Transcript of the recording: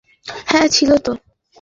হ্যাঁ, ছিলো তো!